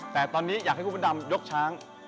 แต่ตอนนี้อยากให้คุณพระดำยกช้าง